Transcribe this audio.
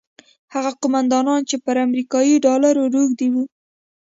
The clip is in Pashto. هغه قوماندانان چې پر امریکایي ډالرو روږدي وو.